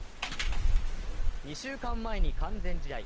２週間前に完全試合